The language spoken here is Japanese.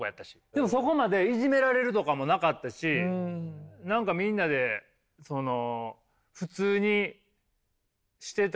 でもそこまでいじめられるとかもなかったし何かみんなでその普通にしてた。